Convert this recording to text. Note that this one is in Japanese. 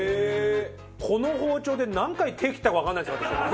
この包丁で何回手切ったかわかんないです私。